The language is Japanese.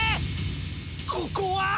ここは！